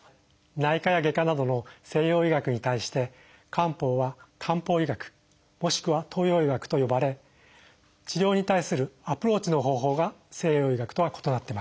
内科や外科などの西洋医学に対して漢方は漢方医学もしくは東洋医学と呼ばれ治療に対するアプローチの方法が西洋医学とは異なってまいります。